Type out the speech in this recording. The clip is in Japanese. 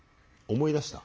思い出した？